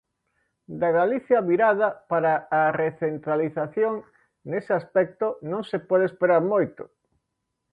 Da Galicia virada para a recentralización, nese aspecto, non se pode esperar moito.